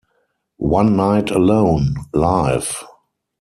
One Nite Alone... Live!